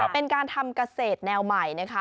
เป็นการทำเกษตรแนวใหม่นะคะ